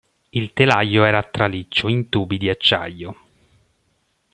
Il telaio era a traliccio in tubi di acciaio.